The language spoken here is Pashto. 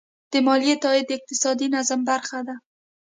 د مالیې تادیه د اقتصادي نظم برخه ده.